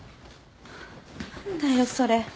何だよそれ。